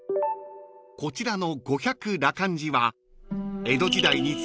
［こちらの］